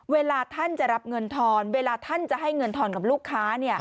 เวลาท่านจะรับเงินทอนเวลาท่านจะให้เงินทอนกับลูกค้า